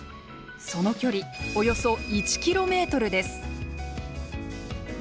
その距離およそ１ｋｍです。